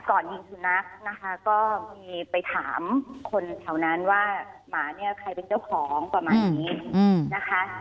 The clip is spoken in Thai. ก่อนยิงสุนัขนะคะก็มีไปถามคนแถวนั้นว่าหมาเนี่ยใครเป็นเจ้าของประมาณนี้นะคะ